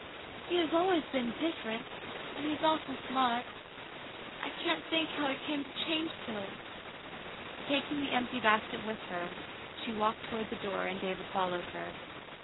He has always been differ ent — and he is awful smart. I can't think how came he to change so." Taking the empty basket with her, she walked toward the door, and David followed her.